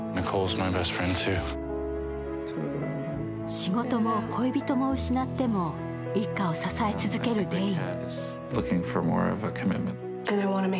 仕事も恋人も失っても、一家を支え続けるデイン。